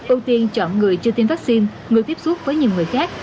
ưu tiên chọn người chưa tiêm vaccine người tiếp xúc với nhiều người khác